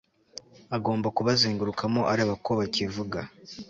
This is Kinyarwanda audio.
agomba kubazengurukamo areba ko bakivuga